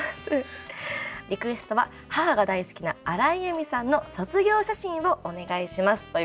「リクエストは母が大好きな荒井由実さんの『卒業写真』をお願いします」。